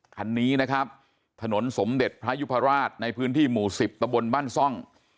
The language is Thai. คันนี้นะครับถนนสมเด็จพระยุพราชในพื้นที่หมู่๑๐ตะบนบ้านซ่อง